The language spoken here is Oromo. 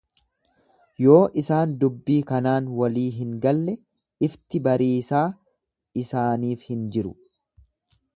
Yoo isaan dubbii kanaan walii hin galle ifti bariisaa isaaniif hin jiru.